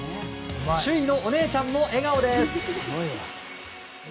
首位のお姉ちゃんも笑顔です。